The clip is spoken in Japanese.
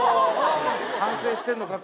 反省してんのか？